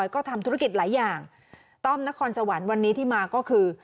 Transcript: ก็ทำธุรกิจหลายอย่างต้อมนครสวรรค์วันนี้ที่มาก็คือ